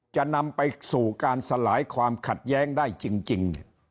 จะนำไปสู่การสลายความขัดแย้งได้จริง